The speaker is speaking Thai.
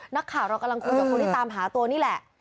นักข่าวเรากำลังคุยกับคนที่ตามหาตัวนี่แหละ